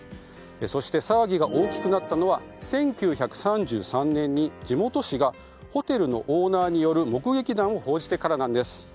そして、騒ぎが大きくなったのは１９３３年に地元紙がホテルのオーナーによる目撃談を報じてからなんです。